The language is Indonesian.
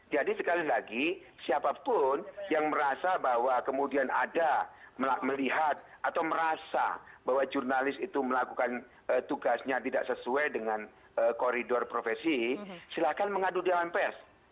jadi sekali lagi siapapun yang merasa bahwa kemudian ada melihat atau merasa bahwa jurnalis itu melakukan tugasnya tidak sesuai dengan koridor profesi silahkan mengadu di awan pers